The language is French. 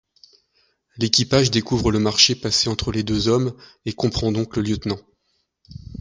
L'équipage découvre le marché passé entre les deux hommes et comprend donc le lieutenant.